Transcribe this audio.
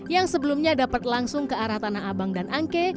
yang sebelumnya dapat langsung ke arah tanah abang dan angke